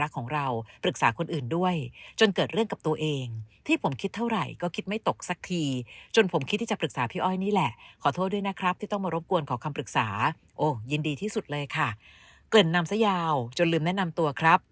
เกลื่อนนำซะยาวจนลืมแนะนำตัวครับ